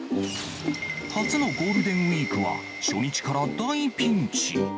初のゴールデンウィークは、初日から大ピンチ。